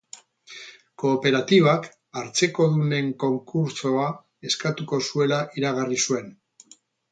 Kooperatibak hartzekodunen konkurtsoa eskatuko zuela iragarri zuen.